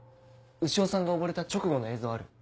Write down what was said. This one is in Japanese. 潮さんが溺れた直後の映像ある？